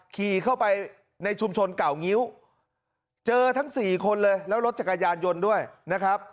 ขี่เข้าไปในชุมชนเก่างิ้วเจอทั้งสี่คนเลยแล้วรถจักรยานยนต์ด้วยนะครับ